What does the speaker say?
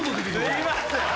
すいません。